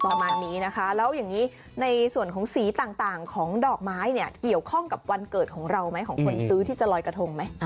ประมาณนี้นะคะแล้วอย่างนี้ในส่วนของสีต่างของดอกไม้เนี่ยเกี่ยวข้องกับวันเกิดของเราไหมของคนซื้อที่จะลอยกระทงไหม